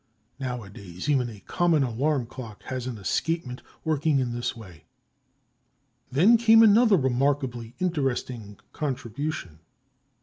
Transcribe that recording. Nowadays, even a common alarm clock has an escapement working in this way. Then came another remarkably interesting contribution.